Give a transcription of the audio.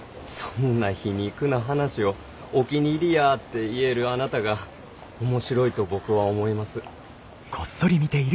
そんな皮肉な話をお気に入りやて言えるあなたが面白いと僕は思います。